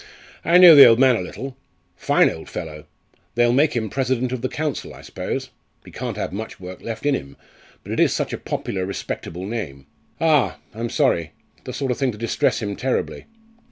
"I know the old man a little fine old fellow! They'll make him President of the Council, I suppose. He can't have much work left in him; but it is such a popular, respectable name. Ah! I'm sorry; the sort of thing to distress him terribly."